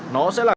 nó sẽ là